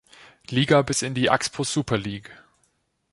Liga bis in die Axpo Super League.